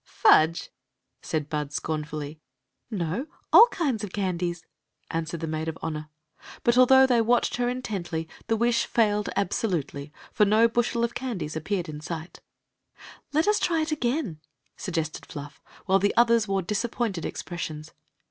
"Fudge!" said Bud, scornfully. " No; all kindf. of candies," answered the maid of honor. But, although they watched her intendy, the wish failed absolutely, for no bushel of candies ap peared in sight " Let us try it again," suggested Fluff, while the others wore disappointed expressions.